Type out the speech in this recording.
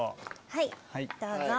はいどうぞ。